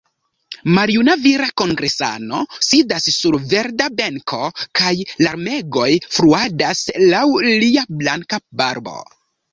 Maljuna vira kongresano sidas sur verda benko kaj larmegoj fluadas laŭ lia blanka barbo.